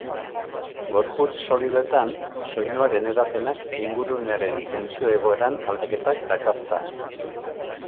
Gorputz solidoetan, soinuaren hedapenak ingurunearen tentsio-egoeran aldaketak dakartza.